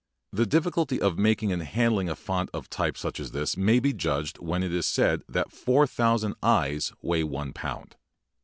The difficulty of making and handling a font of type such as this may be judged when it is said that four thou sand t's weigh one pound.